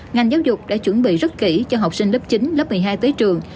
ngành giáo dục đã chuẩn bị rất kỹ cho học sinh lớp chín lớp một mươi hai tới trường